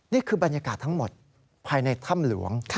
นี่คือบรรยากาศทั้งหมดภายในถ้ำหลวง